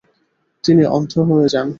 তিনি অন্ধ হয়ে যান।